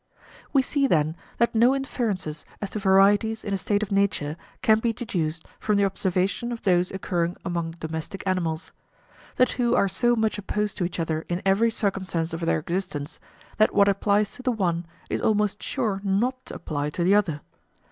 3 [[p. 61]] We see, then, that no inferences as to varieties in a state of nature can be deduced from the observation of those occurring among domestic animals. The two are so much opposed to each other in every circumstance of their existence, that what applies to the one is almost sure not to apply to the other.